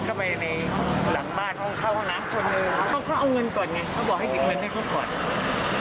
เขาเอาเงินก่อนไงเขาบอกให้กิดเงินก่อนแล้วก็ให้เอาทอง